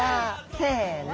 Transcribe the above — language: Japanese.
せの！